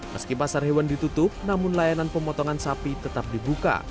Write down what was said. meski pasar hewan ditutup namun layanan pemotongan sapi tetap dibuka